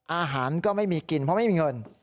อาหารก็ไม่มีกินเพราะไม่มีเงิน